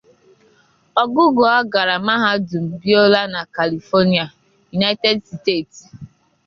Ogugua gara Mahadum Biola na California, United Steeti.